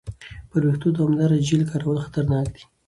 پر وېښتو دوامداره جیل کارول خطرناک دي.